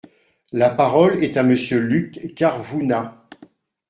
La parole est à Monsieur Luc Carvounas.